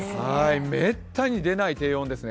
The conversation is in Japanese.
めったに出ない低温ですね。